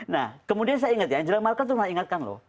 nah kemudian saya ingat ya angela merkel tuh pernah ingatkan loh